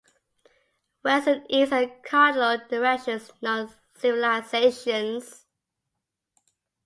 West and East are cardinal directions, not civilizations.